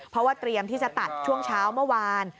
เพราะว่าเตรียมที่จะตัดช่วงเช้าเมื่อวาน